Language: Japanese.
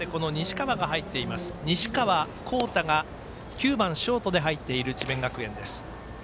西川煌太が９番ショートで入っている智弁学園。